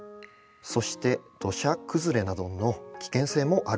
そして土砂崩れなどの危険性もあると。